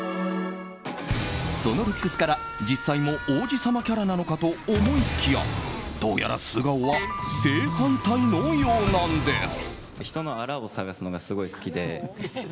そのルックスから、実際も王子様キャラなのかと思いきやどうやら素顔は正反対のようなんです。